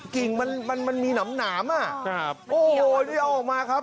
กลิ่งมันมันมีหนำนามน่ะใช่ครับโอ้โหเนี่ยออกมาครับ